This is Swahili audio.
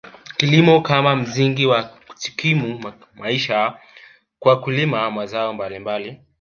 Kilimo kama msingi wa kujikimu kimaisha kwa kulima mazao mbalimbali